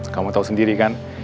kamu tau sendiri kan